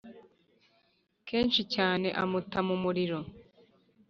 Kenshi cyane amuta mu muriro